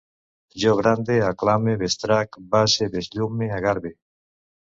Jo brande, aclame, bestrac, base, besllume, agarbe